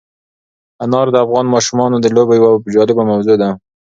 انار د افغان ماشومانو د لوبو یوه جالبه موضوع ده.